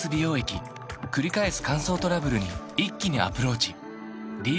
くり返す乾燥トラブルに一気にアプローチ